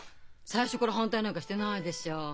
最初から反対なんかしてないでしょう。